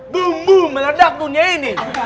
boom boom meledak dunia ini